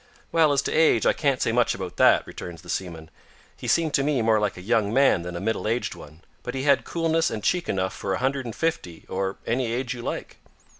"Well, as to age, I can't say much about that," returns the seaman; "he seemed to me more like a young man than a middle aged one, but he had coolness and cheek enough for a hundred and fifty, or any age you like."